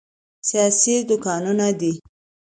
سیاسي دوکانونه دي.